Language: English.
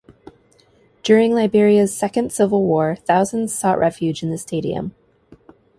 During Liberia's second civil war, thousands sought refuge in the stadium.